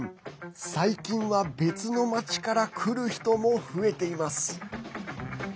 最近は別の町から来る人も増えています。